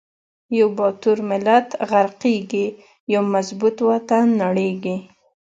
یو باتور ملت غر قیږی، یو مضبوط وطن نړیږی